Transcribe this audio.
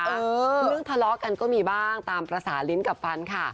เรื่องทะเลาะกันก็มีบ้างตามภาษาลิ้นกับฟันค่ะ